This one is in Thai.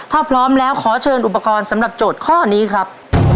ถ้าพร้อมแล้วขอเชิญอุปกรณ์สำหรับโจทย์ข้อนี้ครับ